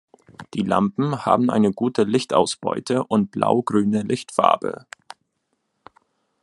Die Lampen haben eine gute Lichtausbeute und blaugrüne Lichtfarbe.